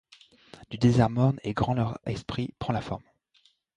Du désert morne et grand leur esprit prend la forme.